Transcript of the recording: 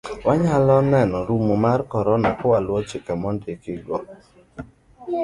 Wanyalo neno giko mar korona kawaluwo chike ma ondiki go kendo wakawo chanjo .